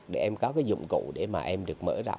để em có cái dụng cụ để mà em được mở rộng